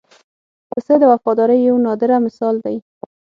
پسه د وفادارۍ یو نادره مثال دی.